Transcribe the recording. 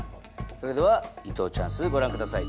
それでは伊藤チャンスご覧ください。